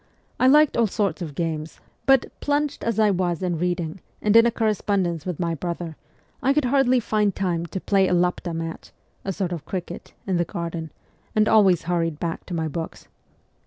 I liked all sorts of games, but, plunged as I was in reading and in a correspondence with my brother, I could hardly find time to play a laptd match (a sort of cricket) in the garden, and always hurried back to my books.